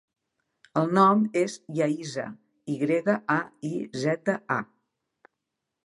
El nom és Yaiza: i grega, a, i, zeta, a.